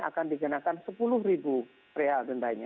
akan digunakan rp sepuluh